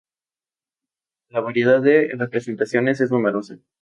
La variedad de representaciones es numerosa.